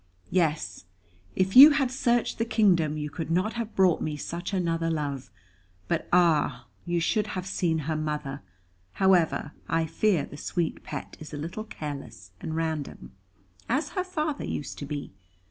"Yes, if you had searched the kingdom, you could not have brought me such another love. But ah! you should have seen her mother! However, I fear the sweet pet is a little careless and random, as her father used to be.